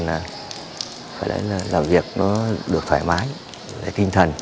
nên phải làm việc được thoải mái kinh thần